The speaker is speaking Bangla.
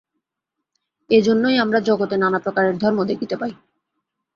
এই জন্যই আমরা জগতে নানা প্রকারের ধর্ম দেখিতে পাই।